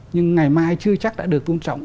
nhưng ngày mai chưa chắc đã được tôn trọng